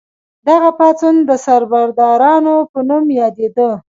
دغه پاڅون د سربدارانو په نوم یادیده.